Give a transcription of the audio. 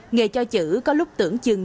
nghề cho chữ có lúc tưởng chừng